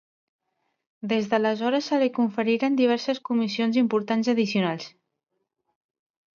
Des d'aleshores se li conferiren diverses comissions importants addicionals.